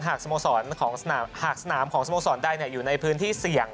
หากสนามของสโมสรใดอยู่ในพื้นที่เสี่ยง